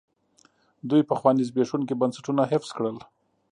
دوی پخواني زبېښونکي بنسټونه حفظ کړل.